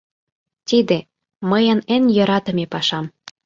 — Тиде — мыйын эн йӧратыме пашам.